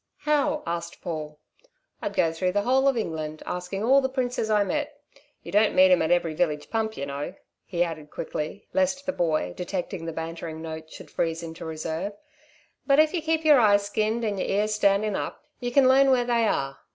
"How?" asked Paul. "I'd go through the whole of England, asking all the princes I met. You don't meet 'em at every village pump, ye know," he added quickly, lest the boy, detecting the bantering note, should freeze into reserve; "but, if you keep yer eyes skinned and yer ears standing up, you can learn where they are.